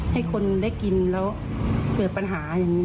ให้คนได้กินแล้วเกิดปัญหาอย่างนี้